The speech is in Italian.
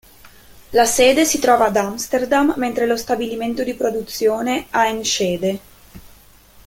La sede si trova ad Amsterdam mentre lo stabilimento di produzione a Enschede.